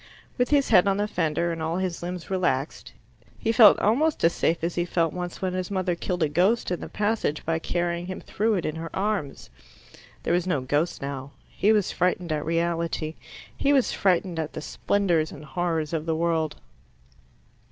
With his head on the fender and all his limbs relaxed, he felt almost as safe as he felt once when his mother killed a ghost in the passage by carrying him through it in her arms. There was no ghost now; he was frightened at reality; he was frightened at the splendours and horrors of the world.